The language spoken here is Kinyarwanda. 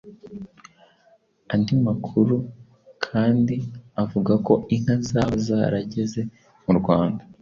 andi makuru kandi avugako inka zaba zarageze mu Rwanda